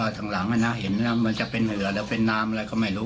อ่าข้างหลังน่าเห็นนะมันจะเป็นเหลือแล้วเป็นน้ำอะไรก็ไม่รู้